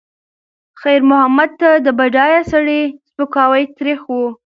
خیر محمد ته د بډایه سړي سپکاوی تریخ و.